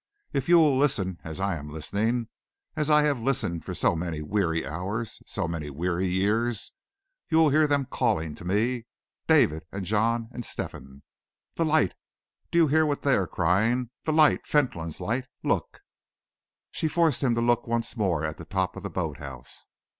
If you listen as I am listening, as I have listened for so many weary hours, so many weary years, you will hear them calling to me, David and John and Stephen. 'The light!' Do you hear what they are crying? 'The light! Fentolin's light!' Look!" She forced him to look once more at the top of the boat house.